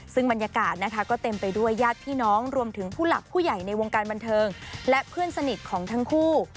ซึ่งบรรยากาศนะคะก็เต็มไปด้วยญาติพี่น้องรวมถึงผู้หลักผู้ใหญ่ในวงการบันเทิงและเพื่อนสนิทของทั้งคู่